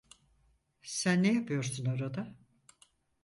Sen ne yapıyorsun orada?